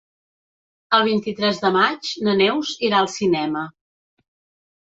El vint-i-tres de maig na Neus irà al cinema.